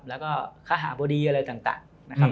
แล้วก็ค่าหาบดีอะไรต่างนะครับ